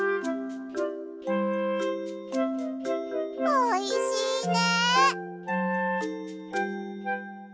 おいしいね！